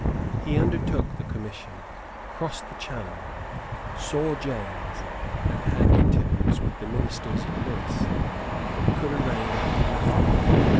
He undertook the commission, crossed the Channel, saw James, and had interviews with the ministers of Lewis, but could arrange nothing.